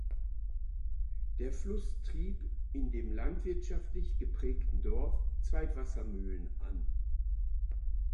Der Fluss trieb in dem landwirtschaftlich geprägten Dorf zwei Wassermühlen an.